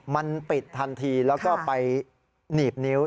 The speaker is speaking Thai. มันปิดทันทีแล้วก็ไปหนีบนิ้ว